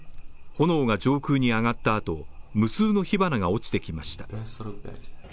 炎が上空に上がったあと、無数の火花が落ちてきました。